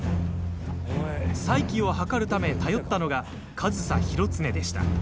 再起を図るため頼ったのが上総広常でした。